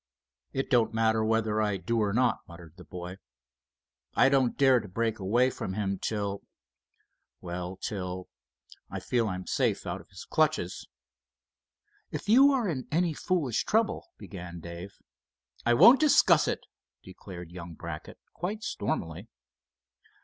"It don't matter whether I do or not," muttered the boy. "I don't dare to break away from him till—well till—I feel I'm safe out of his clutches." "If you are in any foolish trouble——" began Dave. "I won't discuss it," declared young Brackett, quite stormily.